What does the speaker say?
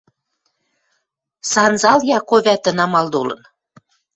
Санзал Яко вӓтӹ намал толын.